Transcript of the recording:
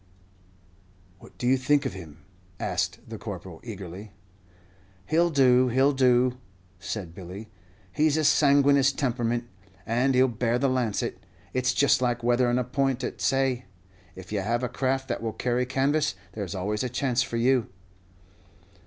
"What do you think of him?" asked the Corporal, eagerly. "He 'll do he 'll do," said Billy. "He's a sanguineous temperament, and he'll bear the lancet. It's just like weatherin' a point at say. If you have a craft that will carry canvas, there's always a chance for you."